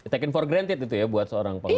tak terima itu ya buat seorang panglima